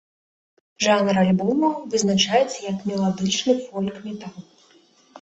Жанр альбома вызначаецца як меладычны фольк-метал.